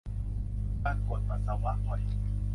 การปวดปัสสาวะบ่อย